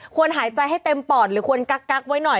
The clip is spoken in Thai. หายใจให้เต็มปอดหรือควรกักไว้หน่อย